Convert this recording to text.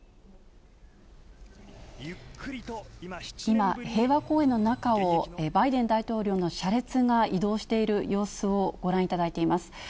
今、平和公園の中をバイデン大統領の車列が移動している様子をご覧いただいています。